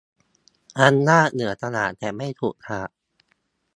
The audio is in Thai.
อำนาจเหนือตลาดแต่ไม่ผูกขาด